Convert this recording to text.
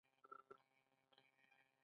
جالب خلک يو: